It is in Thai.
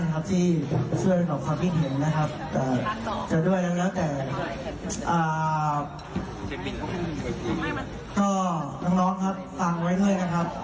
ก็น้องครับฟังไว้ด้วยนะครับ